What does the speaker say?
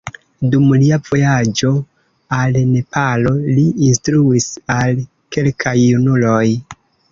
Dum lia vojaĝo al Nepalo, li instruis al kelkaj junuloj.